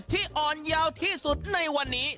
ที่อ่อนยาวที่สุดในวันนี้